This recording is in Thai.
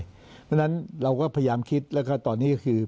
เพราะฉะนั้นเราก็พยายามคิดแล้วก็ตอนนี้ก็คือ